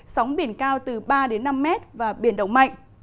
sóng biển cao từ ba năm m và biển động mạnh